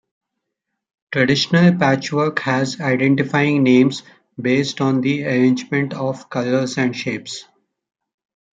Traditional patchwork has identifying names based on the arrangement of colors and shapes.